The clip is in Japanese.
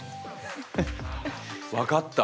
分かった。